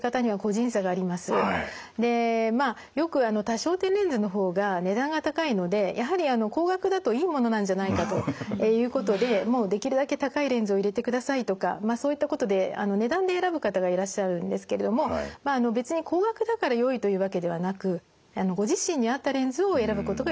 でまあよく多焦点レンズの方が値段が高いのでやはり高額だといいものなんじゃないかということでもうできるだけ高いレンズを入れてくださいとかまあそういったことで値段で選ぶ方がいらっしゃるんですけれどもまあ別に高額だからよいというわけではなくご自身に合ったレンズを選ぶことが一番大切です。